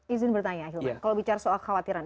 izin bertanya ah yulman